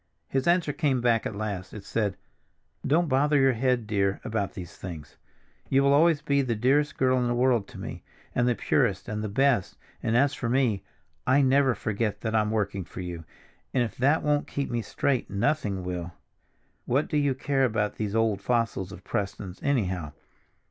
His answer came back at last. It said: "Don't bother your head, dear, about these things. You will always be the dearest girl in the world to me, and the purest and the best; and as for me, I never forget that I'm working for you, and if that won't keep me straight, nothing will. What do you care about those old fossils of Prestons, anyhow?